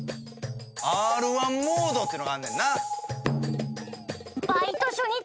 Ｒ−１モードっていうのがあんねんな。